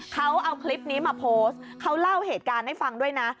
เขาเอาคลิปนี้มาโพสต์เขาเล่าเหตุการณ์ให้ฟังด้วยนะ